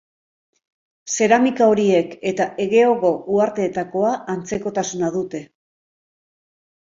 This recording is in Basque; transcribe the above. Zeramika horiek eta Egeoko uharteetakoa antzekotasuna dute.